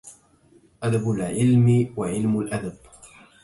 أدب العلم وعلم الأدب